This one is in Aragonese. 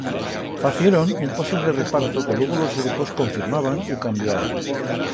Facieron un posible reparto que lugo los grupos confirmaban u cambiaban.